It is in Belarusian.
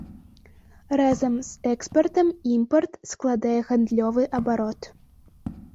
Разам з экспартам імпарт складае гандлёвы абарот.